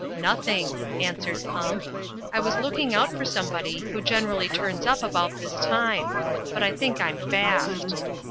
'^Nothing," answered Pump. "I was looking out for somebody who generally turns up about this time. But I think I'm fast."